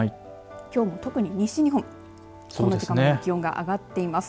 きょう、特に西日本この時間、気温が上がっています。